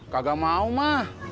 kagak mau ma